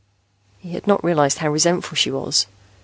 He had not realized how resentful she was.